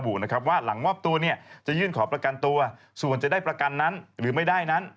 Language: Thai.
นะครับว่าหลังมอบตัวเนี่ยจะยื่นขอประกันตัวส่วนจะได้ประกันนั้นหรือไม่ได้นั้น